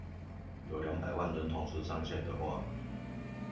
有兩百萬人同時上線的話